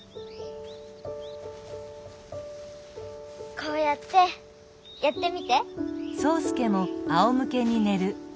こうやってやってみて。